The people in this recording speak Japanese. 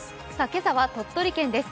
今朝は鳥取県です。